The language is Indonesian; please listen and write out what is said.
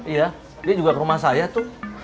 iya dia juga ke rumah saya tuh